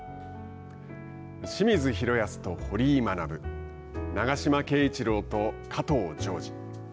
清水宏保と堀井学長島圭一郎と加藤条治。